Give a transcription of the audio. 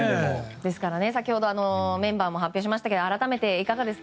ですから先ほどメンバーも発表しましたけど改めていかがですか？